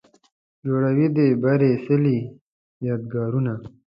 جوړوي د بري څلې، یادګارونه